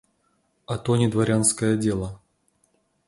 А то не дворянское дело.